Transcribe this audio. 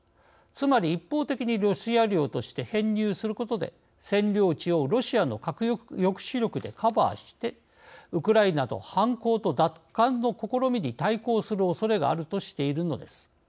つまり一方的にロシア領として編入することで占領地をロシアの核抑止力でカバーしてウクライナの反攻と奪還の試みに対抗するおそれがあるとしているのです。